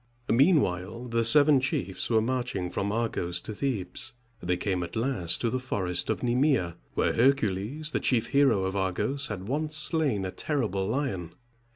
Meanwhile the seven chiefs were marching from Argos to Thebes. They came at last to the forest of Ne´me a, where Hercules, the chief hero of Argos, had once slain a terrible lion.